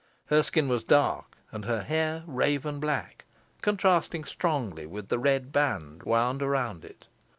Her skin was dark, and her hair raven black, contrasting strongly with the red band wound around it.